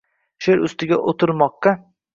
She’r ustida o’ltirmoqqa